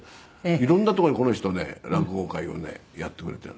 色んなとこにこの人ね落語会をねやってくれているの。